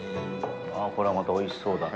あぁ、これはまたおいしそうだ。